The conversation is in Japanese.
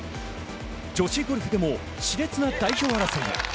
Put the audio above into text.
女子ゴルフでも、し烈な代表争いが。